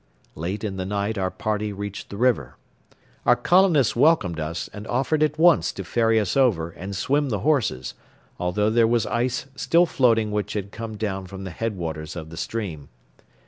Late in the night our party reached the river. Our colonist welcomed us and offered at once to ferry us over and swim the horses, although there was ice still floating which had come down from the head waters of the stream.